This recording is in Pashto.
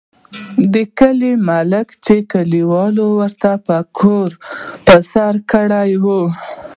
د کلي ملک چې کلیوالو ورته پګړۍ په سر کړې وه.